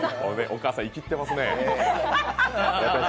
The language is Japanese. お母さん、イキってますね。